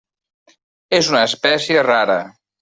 És una espècie rara.